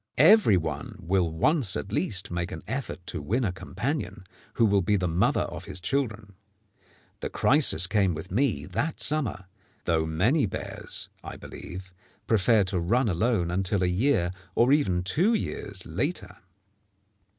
Every one will once at least make an effort to win a companion who will be the mother of his children. The crisis came with me that summer, though many bears, I believe, prefer to run alone until a year, or even two years, later.